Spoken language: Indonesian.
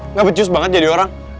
nggak becus banget jadi orang